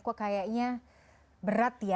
kok kayaknya berat ya